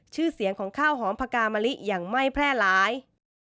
ชื่อเสียงของข้าวหอมพกามะลิอย่างไม่แพร่หลาย